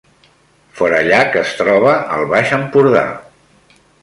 Forallac es troba al Baix Empordà